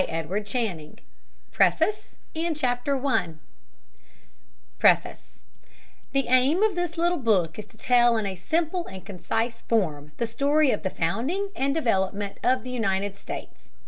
WITH MAPS AND ILLUSTRATIONS 1908 PREFACE The aim of this little book is to tell in a simple and concise form the story of the founding and development of the United States.